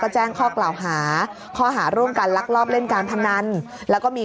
แจ้งข้อกล่าวหาข้อหาร่วมกันลักลอบเล่นการพนันแล้วก็มี